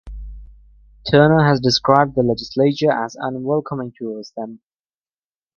Turner has described the legislature as unwelcoming towards them.